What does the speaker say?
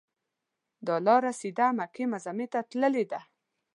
دا لاره سیده مکې معظمې ته تللې ده.